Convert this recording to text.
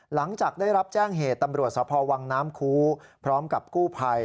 หลังจากได้รับแจ้งเหตุตำรวจสพวังน้ำคูพร้อมกับกู้ภัย